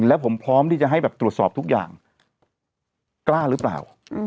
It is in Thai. แล้วผมพร้อมที่จะให้แบบตรวจสอบทุกอย่างกล้าหรือเปล่า